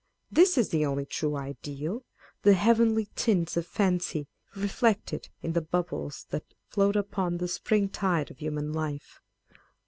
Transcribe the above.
This is the only true idealâ€" the heavenly tints of Fancy reflected in the bubbles that float upon the spring tide of human life.